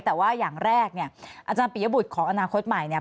แต่ว่าอย่างแรกเนี่ยอาจารย์ปียบุตรของอนาคตใหม่เนี่ย